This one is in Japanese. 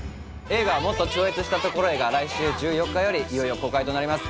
映画『もっと超越した所へ。』が来週１４日よりいよいよ公開となります。